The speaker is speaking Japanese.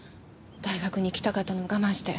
大学に行きたかったのも我慢して。